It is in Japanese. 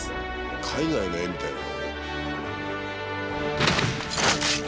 海外の絵みたいだね。